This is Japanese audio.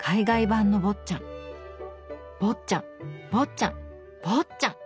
「坊っちゃん」「坊っちゃん」「坊っちゃん」！